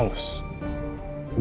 nggak usah lo pikir